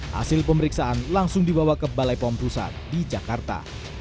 hasil pemeriksaan langsung dibawa ke balai pompusat di jakarta